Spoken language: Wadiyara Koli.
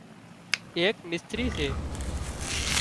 ايڪ مستري سي